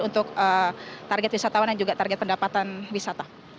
untuk target wisatawan dan juga target pendapatan wisata